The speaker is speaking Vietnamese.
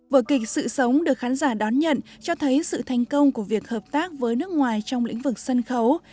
vở kịch sự sống được khán giả đón nhận cho thấy sự thành công của việc hợp tác với nước ngoài trong lĩnh vực sân khấu